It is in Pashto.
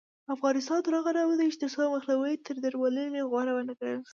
افغانستان تر هغو نه ابادیږي، ترڅو مخنیوی تر درملنې غوره ونه ګڼل شي.